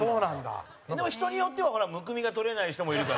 でも、人によってはむくみが取れない人もいるから。